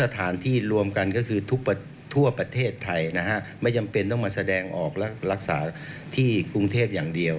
ที่กรุงเทพฯมหานครเพียงอย่างเดียว